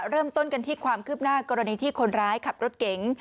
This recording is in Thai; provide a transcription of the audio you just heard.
เริ่มต้นกันที่ความคืบหน้ากรณีที่คนร้ายขับรถเก๋ง